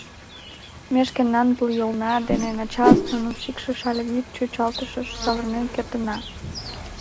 Ме шкенан тулйолна дене начас нуным шикшыш але вӱд чӱчалтышыш савырен кертына.